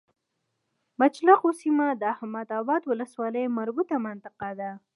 مچلغو سيمه د احمداباد ولسوالی مربوطه منطقه ده